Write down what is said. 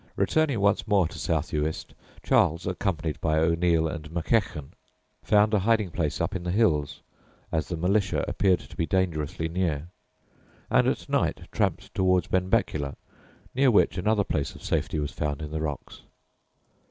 Returning once more to South Uist, Charles (accompanied by O'Neal and Mackechan) found a hiding place up in the hills, as the militia appeared to be dangerously near, and at night tramped towards Benbecula, near to which another place of safety was found in the rocks.